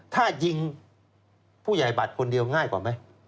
ถ้ายิงผู้ใหญ่บัตรคนเดียวง่ายกว่าไหม